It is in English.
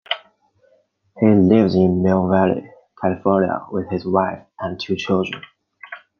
He lives in Mill Valley, California, with his wife and two children.